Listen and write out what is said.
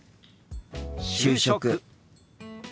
「就職」。